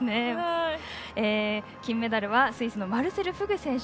金メダルはスイスのマルセル・フグ選手。